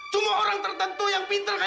cuma orang tertentu yang pinter